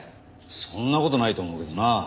そんな事ないと思うけどな。